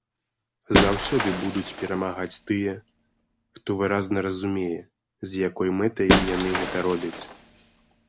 Заўсёды будуць перамагаць тыя, хто выразна разумее, з якой мэтай яны гэта робяць.